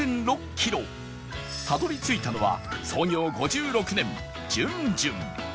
たどり着いたのは創業５６年 ｊｕｎｊｕｎ